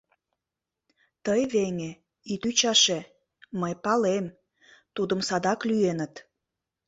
Тый, веҥе, ит ӱчаше, мый палем — тудым садак лӱеныт.